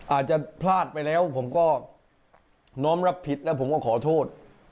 อาจจะพลาดไปแล้วผมก็น้อมรับผิดแล้วผมก็ขอโทษ